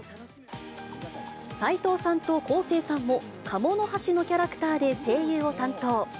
斎藤さんと昴生さんも、カモノハシのキャラクターで声優を担当。